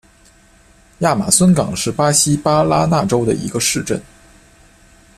亚马孙港是巴西巴拉那州的一个市镇。